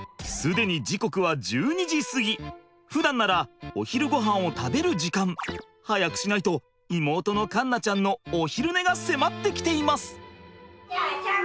ふだんならお昼ごはんを食べる時間。早くしないと妹の環奈ちゃんのお昼寝が迫ってきています。